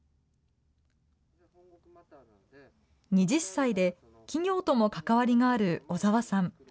２０歳で企業とも関わりがある小澤さん。